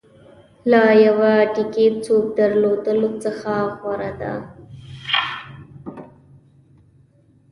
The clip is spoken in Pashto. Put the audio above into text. له یوه ډېګي سوپ درلودلو څخه غوره دی.